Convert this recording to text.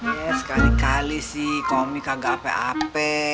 ya sekali kali sih komik kagak ape ape